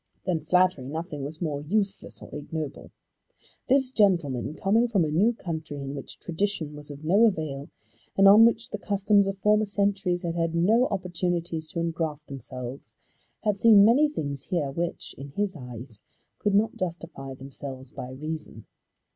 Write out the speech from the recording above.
Than flattery nothing was more useless or ignoble. This gentleman, coming from a new country, in which tradition was of no avail, and on which the customs of former centuries had had no opportunities to engraft themselves, had seen many things here which, in his eyes, could not justify themselves by reason.